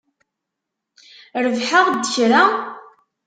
Rebḥeɣ-d kra?